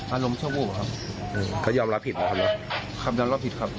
อารมณ์เช่าผู้ครับเขายอมรับผิดเหรอครับครับยอมรับผิดครับ